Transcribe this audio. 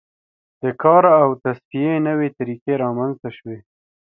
د کار او تصفیې نوې طریقې رامنځته شوې.